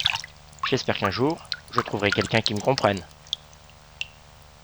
J’espère qu’un jour, je trouverai quelqu’un qui me comprenne.